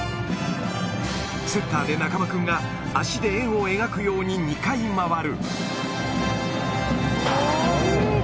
センターで中間君が足で円を描くように２回回る。